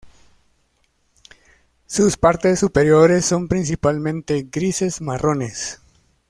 Sus partes superiores son principalmente grises-marrones.